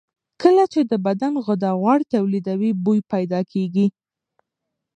کله چې د بدن غده غوړ تولیدوي، بوی پیدا کېږي.